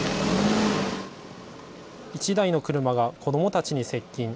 １台の車が子どもたちに接近。